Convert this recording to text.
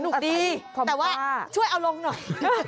คดีแต่ว่าช่วยเอาลงหน่อย